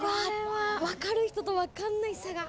分かる人と分かんない差が。